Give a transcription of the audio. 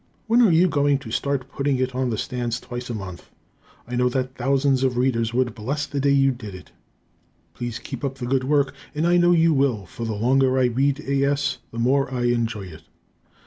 When are you going to start putting it on the stands twice a month? I know that thousands of Readers would bless the day you did it. Please keep up the good work; and I know you will, for the longer I read A. S. the more I enjoy it.